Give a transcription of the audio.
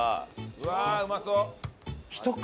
うわうまそう！